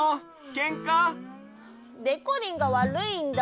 けんか？でこりんがわるいんだ。